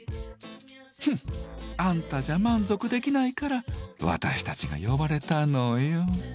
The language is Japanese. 「ふん！あんたじゃ満足できないから私たちが呼ばれたのよ」。